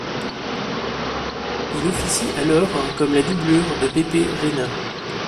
Il officie alors comme la doublure de Pepe Reina.